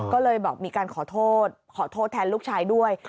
ก็เลยบอกมีการขอโทษขอโทษแทนลูกชายด้วย